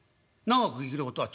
「長く生きることは？」。